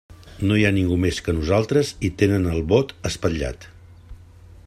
No hi ha ningú més que nosaltres i tenen el bot espatllat.